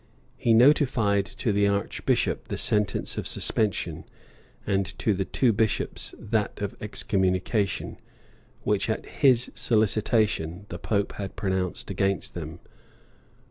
He notified to the archbishop the sentence of suspension, and to the two bishops that of excommunication, which, at his solicitation, the pope had pronounced against them.